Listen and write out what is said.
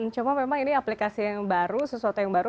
cuma memang ini aplikasi yang baru sesuatu yang baru